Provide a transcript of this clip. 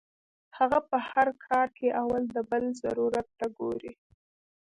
هغه پۀ هر کار کې اول د بل ضرورت ته ګوري -